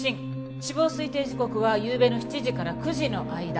死亡推定時刻はゆうべの７時から９時の間。